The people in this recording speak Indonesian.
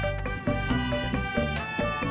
oh pulangnya jam berapa